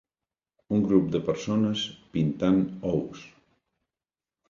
Un grup de persones pintant ous.